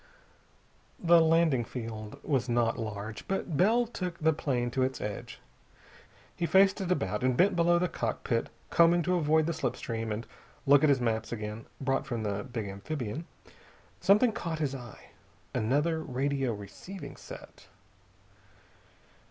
The landing field was not large, but Bell took the plane to its edge. He faced it about, and bent below the cockpit combing to avoid the slip stream and look at his maps again, brought from the big amphibian. Something caught his eye. Another radio receiving set.